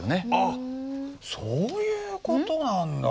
あっそういうことなんだ。